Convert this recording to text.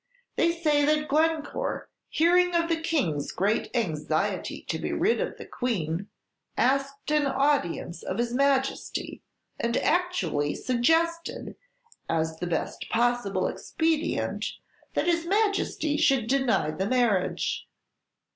They say that Glencore, hearing of the King's great anxiety to be rid of the Queen, asked an audience of his Majesty, and actually suggested, as the best possible expedient, that his Majesty should deny the marriage.